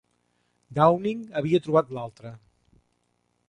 Downing havia trobat l'altre.